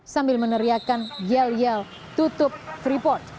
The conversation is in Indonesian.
sambil meneriakan yel yel tutup freeport